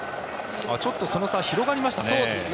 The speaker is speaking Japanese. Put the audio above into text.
ちょっとその差が広がりましたね。